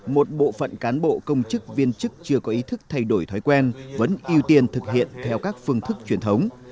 một bộ phận cán bộ công chức viên chức chưa có ý thức thay đổi thói quen vẫn ưu tiên thực hiện theo các phương thức truyền thống